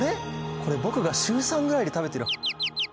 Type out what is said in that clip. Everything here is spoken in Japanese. これ僕が週３ぐらいで食べてる。